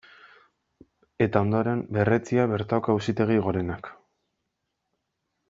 Eta ondoren berretsia bertako Auzitegi Gorenak.